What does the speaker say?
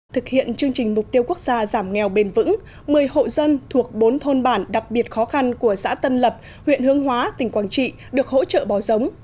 thực hiện chương trình mục tiêu quốc gia giảm nghèo bền vững một mươi hộ dân thuộc bốn thôn bản đặc biệt khó khăn của xã tân lập huyện hương hóa tỉnh quảng trị được hỗ trợ bò giống